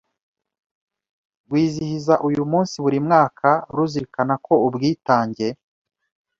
rwizihiza uyu munsi buri mwaka ruzirikana ko ubwitange